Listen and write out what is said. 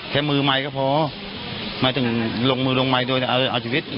มือไมค์ก็พอหมายถึงลงมือลงไมค์โดยเอาชีวิต